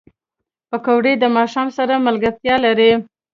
پکورې د ماښام سره ملګرتیا لري